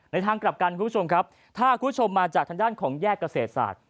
ในทางกลับกันถ้าคุณผู้ชมมาจากทางด้านของแยกเกษตรศาสตร์